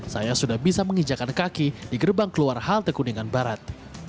saya sudah bisa mengijakan kaki di gerbang keluar halte kuningan barat